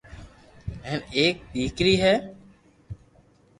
ھين ايڪ ديڪري ھي